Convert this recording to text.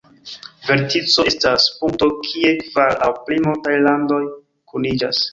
Vertico estas punkto kie kvar aŭ pli multaj randoj kuniĝas.